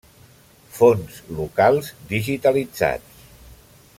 Fons locals digitalitzats.